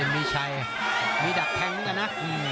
มีดักแทงกันนะ